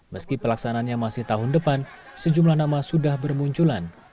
meski pelaksananya masih tahun depan sejumlah nama sudah bermunculan